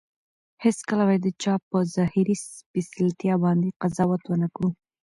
هیڅکله باید د چا په ظاهري سپېڅلتیا باندې قضاوت ونه کړو.